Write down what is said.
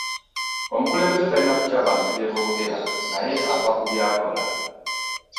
Omukulembeze talina kutya bantu bye boogera naye afa ku byakola